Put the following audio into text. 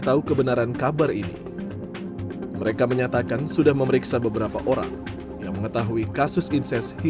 tahu kebenaran kabar ini mereka menyatakan sudah memeriksa beberapa orang yang mengetahui kasus inses